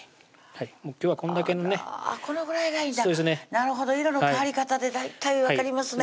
なるほど色の変わり方で大体分かりますね